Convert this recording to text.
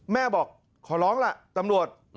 แม่บอกขอร้องล่ะตำรวจ